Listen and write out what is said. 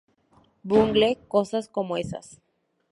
Bungle cosas como esas.